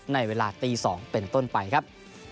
ในเวลาตี๒เป็นต้นไปครับ